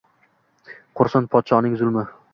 Qursin podshoning zulmi.